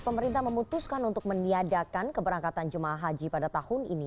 pemerintah memutuskan untuk meniadakan keberangkatan jemaah haji pada tahun ini